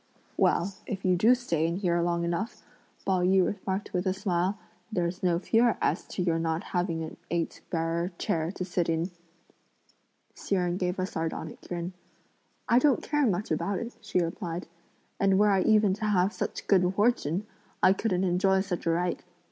"Well, if you do stay in here long enough," Pao yü remarked with a smile, "there's no fear as to your not having an eight bearer chair to sit in!" Hsi Jen gave a sardonic grin. "I don't care much about it," she replied; "and were I even to have such good fortune, I couldn't enjoy such a right.